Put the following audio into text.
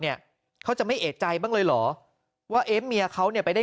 เนี่ยเขาจะไม่เอกใจบ้างเลยเหรอว่าเอ๊ะเมียเขาเนี่ยไปได้